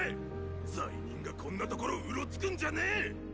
罪人がこんな所うろつくんじゃねェ！